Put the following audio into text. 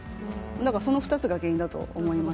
だからその２つが原因だと思います。